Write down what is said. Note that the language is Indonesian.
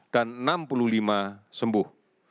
dan enam puluh lima sembuh